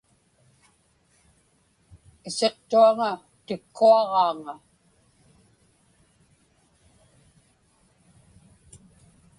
Isiqtuaŋa tikkuaġaaŋa.